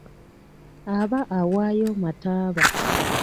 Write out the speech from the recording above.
Aba awaayo mataaba.